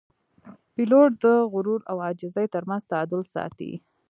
پیلوټ د غرور او عاجزۍ ترمنځ تعادل ساتي.